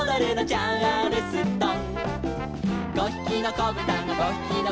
「チャールストン」